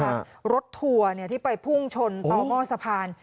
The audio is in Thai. รถทัวร์ที่ไปพุ่งชนต่อหม้อสะพาน